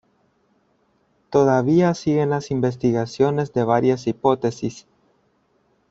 Todavía siguen las investigaciones de varias hipótesis.